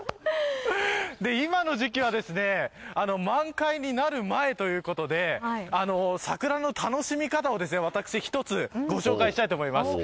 今の時期は満開になる前ということで桜の楽しみ方を私、一つご紹介したいと思います。